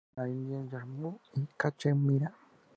Se encuentra en la India: Jammu y Cachemira.